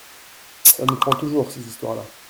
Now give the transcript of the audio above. Ca nous prend toujours, ces histoires-là.